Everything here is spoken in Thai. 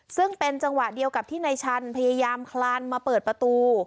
ซึ่งเป็นจังหวะเดียวกับที่นายชันพยายามคลานมาเปิดประตู